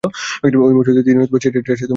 ঐ মৌসুমে তিনি তিন টেস্টে অংশ নিয়েছিলেন।